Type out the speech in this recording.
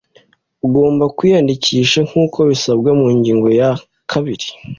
Ugomba kwiyandikisha nk’uko bisabwa mu ngingo ya kabiri